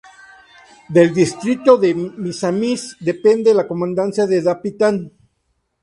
Del distrito de Misamis depende la comandancia de Dapitan.